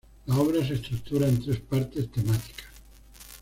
La obra se estructura en tres partes temáticas.